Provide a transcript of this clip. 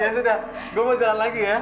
ya sudah gue mau jalan lagi ya